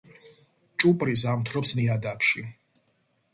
ჭუპრი ზამთრობს ნიადაგში.